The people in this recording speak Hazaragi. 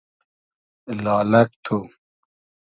لالئگ تو